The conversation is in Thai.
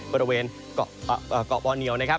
บริเวณเกาะวอเนียวนะครับ